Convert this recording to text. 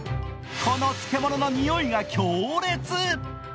この漬物のにおいが強烈。